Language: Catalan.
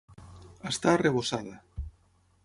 Està arrebossada.